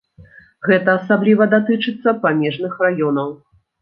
Гэта асабліва датычыцца памежных раёнаў.